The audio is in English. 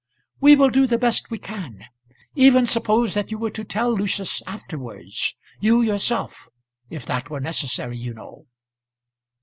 "We will do the best we can. Even suppose that you were to tell Lucius afterwards; you yourself! if that were necessary, you know."